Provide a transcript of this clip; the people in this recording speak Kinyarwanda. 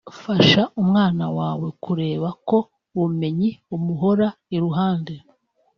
Fasha umwana wawe kureba ko ubumenyi bumuhora iruhande